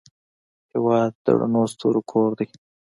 هېواد د رڼو ستورو کور دی.